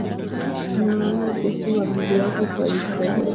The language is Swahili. Inawaonya kuhusu uvamizi wake kwa Ukraine